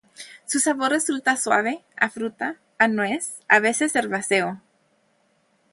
Su sabor resulta suave, a fruta, a nuez, a veces herbáceo.